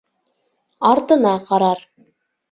Артына ҡарар.